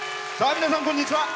皆さん、こんにちは。